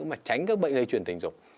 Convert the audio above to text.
mà tránh các bệnh lây truyền tình dục